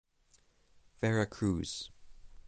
Veracruz.